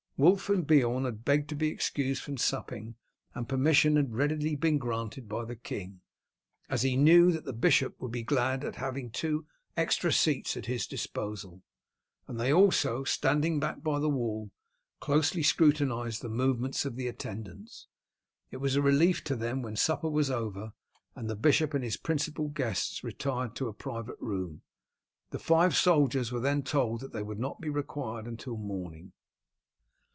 Wulf and Beorn had begged to be excused from supping, and permission had been readily granted by the king, as he knew that the bishop would be glad at having two extra seats at his disposal; and they also, standing back by the wall, closely scrutinized the movements of the attendants. It was a relief to them when supper was over and the bishop and his principal guests retired to a private room. The five soldiers were then told that they would not be required until morning.